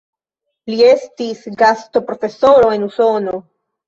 Li estis gastoprofesoro en Usono.